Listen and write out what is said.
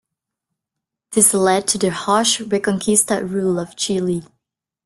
This led to the harsh reconquista rule of Chile.